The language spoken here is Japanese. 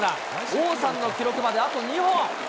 王さんの記録まであと２本。